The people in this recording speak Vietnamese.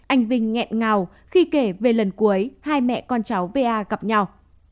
anh vinh nghẹn ngào khi kể về lần cuối hai mẹ con cháu va gặp nhau